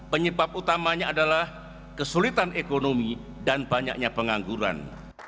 penyebab utamanya adalah kesulitan ekonomi dan banyaknya pengangguran